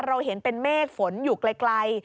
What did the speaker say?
เราเห็นเป็นเมฆฝนอยู่ไกล